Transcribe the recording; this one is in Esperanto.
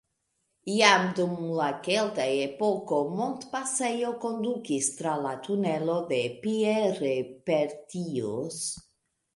Jam dum la kelta epoko montpasejo kondukis tra la tunelo de Pierre-Pertius.